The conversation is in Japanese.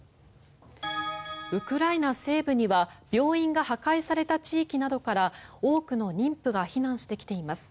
ウクライナ西部には病院が破壊された地域などから多くの妊婦が避難してきています。